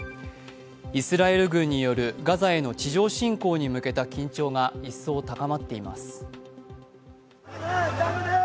イスラエル軍によるガザへの地上侵攻に向けた緊張が一層高まっています。